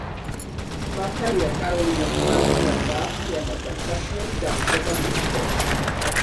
მართალია კაროლინამ ხანძრიდან გააღწია, მაგრამ საშინელი დამწვრობა მიიღო.